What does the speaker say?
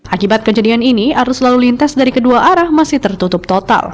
akibat kejadian ini arus lalu lintas dari kedua arah masih tertutup total